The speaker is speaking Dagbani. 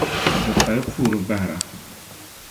Di pali puuri bahira.